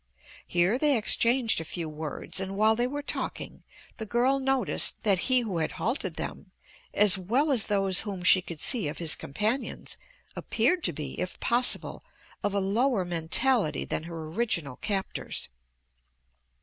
Here they exchanged a few words and while they were talking the girl noticed that he who had halted them, as well as those whom she could see of his companions, appeared to be, if possible, of a lower mentality than her original captors.